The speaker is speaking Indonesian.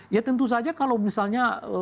ya tentu saja kalau misalnya